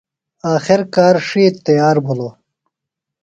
آخر کار ڇِھیتر تیار بِھلوۡ۔